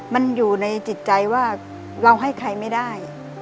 มันอยู่ในจิตใจว่าเราให้ใครไม่ได้